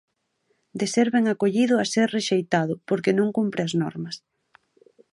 De ser ben acollido a ser rexeitado, porque non cumpre as normas.